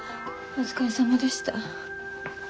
お疲れさまでした。